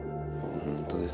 本当です。